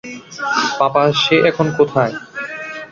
পাপা সে এখন কোথায়?